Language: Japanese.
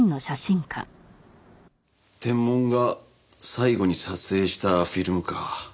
テンモンが最後に撮影したフィルムか。